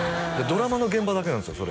ドラマの現場だけなんですよ